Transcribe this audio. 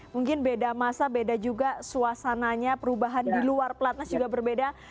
mungkin beda masa beda juga suasananya perubahan di luar pelatnas juga berbeda